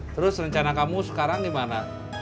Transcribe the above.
terus rencana kamu sekarang gimana